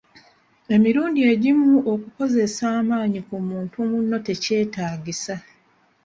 Emirundi egimu okukozesa amaanyi ku muntu munno tekyetaagisa.